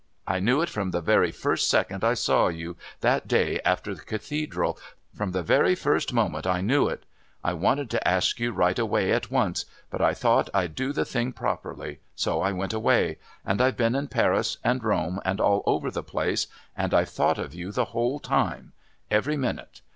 I knew it from the very first second I saw you, that day after Cathedral from the very first moment I knew it. I wanted to ask you right away at once, but I thought I'd do the thing properly, so I went away, and I've been in Paris and Rome and all over the place, and I've thought of you the whole time every minute.